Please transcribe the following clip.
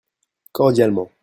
Cordialement.